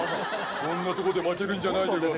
こんなところで負けるんじゃないでごわす。